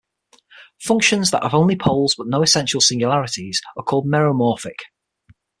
Functions that have only poles but no essential singularities are called meromorphic.